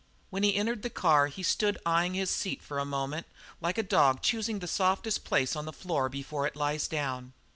When he entered the car he stood eying his seat for a long moment like a dog choosing the softest place on the floor before it lies down.